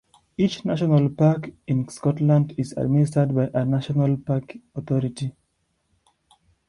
Each national park in Scotland is administered by a national park authority.